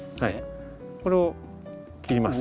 これを切ります。